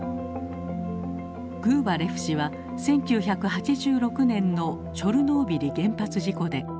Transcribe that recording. グーバレフ氏は１９８６年のチョルノービリ原発事故で現地を取材。